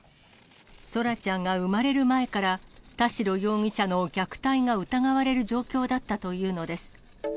空来ちゃんが産まれる前から、田代容疑者の虐待が疑われる状況だったというのです。